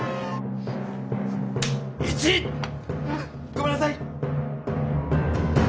ごめんなさい！